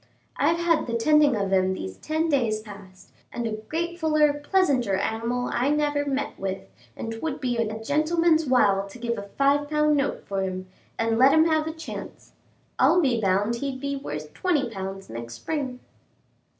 I've had the tending of him these ten days past, and a gratefuller, pleasanter animal I never met with, and 'twould be worth a gentleman's while to give a five pound note for him, and let him have a chance. I'll be bound he'd be worth twenty pounds next spring."